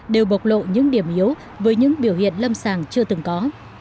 đều bộc lộ những điểm yếu với những biểu hiện lâm sàng chưa từng có